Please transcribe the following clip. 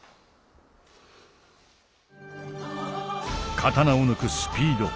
刀を抜くスピード。